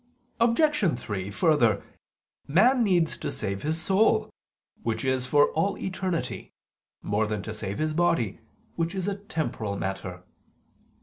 Obj. 3: Further, man needs to save his soul, which is for all eternity, more than to save his body, which is a temporal matter.